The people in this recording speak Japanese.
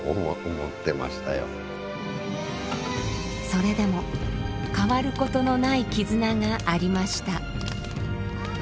それでも変わることのない絆がありました。